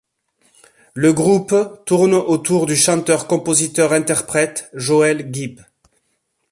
Le groupe tourne autour du chanteur-compositeur-interprète Joel Gibb.